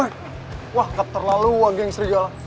boy wah gak terlalu wah geng serigala